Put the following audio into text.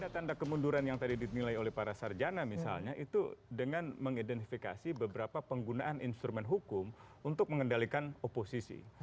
tanda tanda kemunduran yang tadi dinilai oleh para sarjana misalnya itu dengan mengidentifikasi beberapa penggunaan instrumen hukum untuk mengendalikan oposisi